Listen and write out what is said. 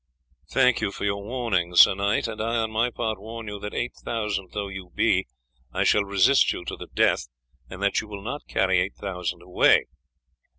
"Thanks for your warning, Sir Knight; and I on my part warn you that, eight thousand though you be, I shall resist you to the death, and that you will not carry eight thousand away.